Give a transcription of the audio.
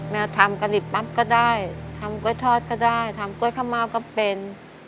ทำกะหลิบปั๊บก็ได้ทำกล้วยทอดก็ได้ทำกล้วยข้าวเม่าก็เป็น